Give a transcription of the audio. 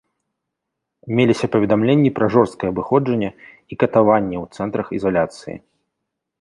Меліся паведамленні пра жорсткае абыходжанне і катаванні ў цэнтрах ізаляцыі.